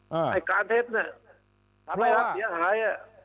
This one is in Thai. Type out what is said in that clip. ให้การเท็จเนี่ยถามให้รับเสียหาย